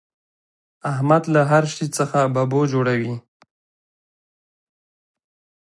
احمد له هر شي څخه ببو جوړوي.